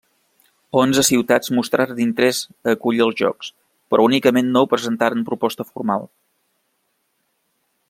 Onze ciutats mostraren interès a acollir els Jocs, però únicament nou presentaren proposta formal.